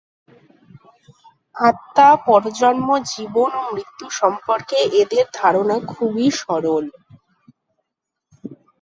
আত্মা, পরজন্ম, জীবন ও মৃত্যু সম্পর্কে এদের ধারণা খুবই সরল।